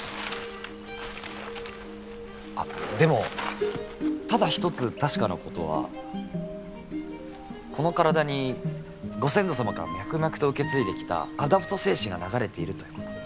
あっでもただ一つ確かなことはこの体にご先祖様から脈々と受け継いできたアダプト精神が流れているということ。